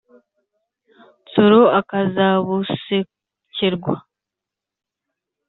nsoro akazabusekerwa.